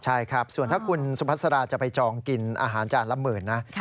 ใช่ครับส่วนถ้าคุณสุพัสราจะไปจองกินอาหารจานละหมื่นนะ